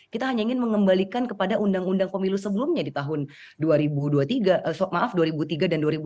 kita hanya ingin mengembalikan kepada undang undang pemilu sebelumnya di tahun dua ribu dua puluh tiga maaf dua ribu tiga dan dua ribu delapan